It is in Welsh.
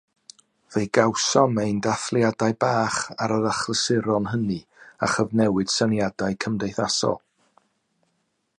Fe gawsom ein dathliadau bach ar yr achlysuron hynny a chyfnewid syniadau cymdeithasol.